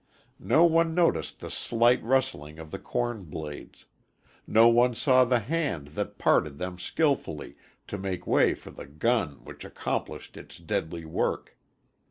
No one noticed the slight rustling of the corn blades. No one saw the hand that parted them skilfully to make way for the gun which accomplished its deadly work.